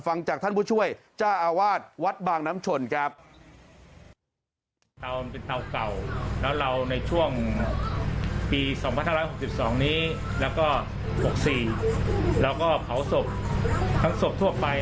ฟังจากท่านผู้ช่วยเจ้าอาวาสวัดบางน้ำชนครับ